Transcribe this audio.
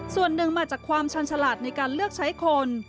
ส่วนหนึ่งมาจากความชันฉลาดในการเลือกใช้คน